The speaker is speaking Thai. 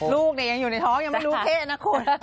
ลูกยังอยู่ในท้องยังไม่รู้เพศนะคุณ